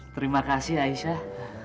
terima kasih aisyah